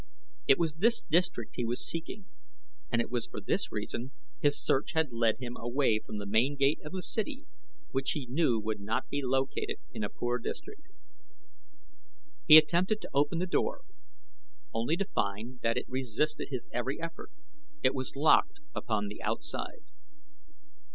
It was this district he was seeking, and it was for this reason his search had led him away from the main gate of the city which he knew would not be located in a poor district. He attempted to open the door only to find that it resisted his every effort it was locked upon the outside.